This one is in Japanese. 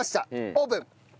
オープン。